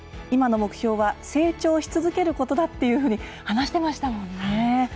今の目標は成長し続けることだというふうに話していましたよね。